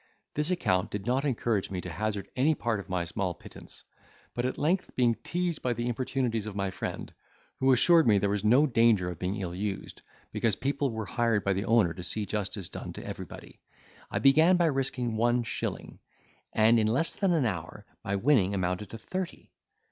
This account did not encourage me to hazard any part of my small pittance: but, at length, being teased by the importunities of my friend, who assured me there was no danger of being ill used, because people were hired by the owner to see justice done to everybody, I began by risking one shilling, and, in less than an hour, my winning amounted to thirty.